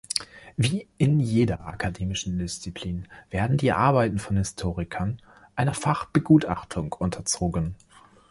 Wie in jeder akademischen Disziplin werden die Arbeiten von Historikern einer Fachbegutachtung unterzogen.